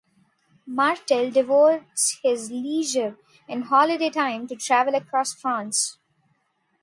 Martel devotes his leisure and holiday time to travels across France.